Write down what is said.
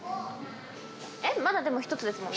えっまだでも１つですもんね。